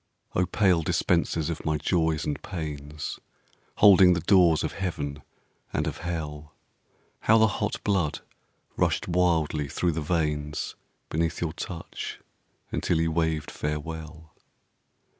Oh, pale dispensers of my Joys and Pains, Holding the doors of Heaven and of Hell, How the hot blood rushed wildly through the veins Beneath your touch, until you waved farewell.